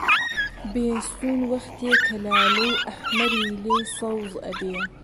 بێستوون وەختێ کە لالەی ئەحمەری لێ سەوز ئەبێ